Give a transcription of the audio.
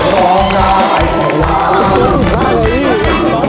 ร้องได้๑ล้าน